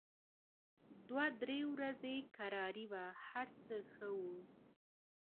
دوې درې ورځي کراري وه هر څه ښه وه